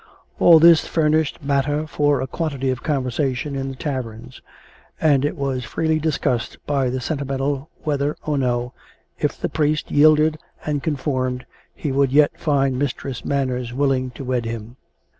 All this fur nished matter for a quantity of conversation in the taverns ; and it was freely discussed by the sentimental whether or no, if the priest yielded and conformed, he would yet find Mistress Manners willing to wed him.